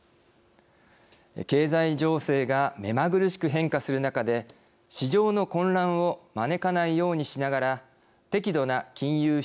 経済情勢がめまぐるしく変化する中で市場の混乱を招かないようにしながら適度な金融